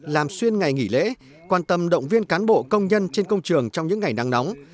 làm xuyên ngày nghỉ lễ quan tâm động viên cán bộ công nhân trên công trường trong những ngày nắng nóng